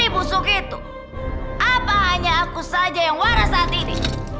bung su gitu apa hanya aku saja yang waras saat ini